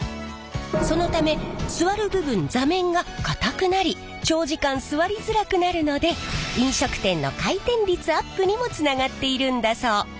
そのため座る部分座面が硬くなり長時間座りづらくなるので飲食店の回転率アップにもつながっているんだそう。